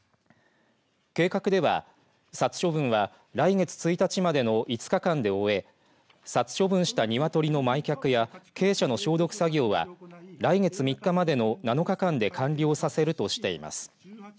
計画では殺処分は来月１日までの５日間で終え殺処分した鶏の埋却や鶏舎の消毒作業は来月３日までの７日間で完了させるとしています。